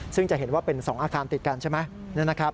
ซึ่งจะเห็นว่าเป็น๒อาคารติดกันใช่ไหม